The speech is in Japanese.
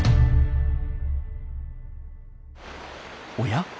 おや？